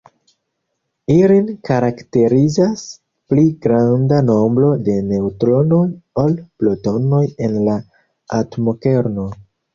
Ilin karakterizas pli granda nombro de neŭtronoj ol protonoj en la atomkerno.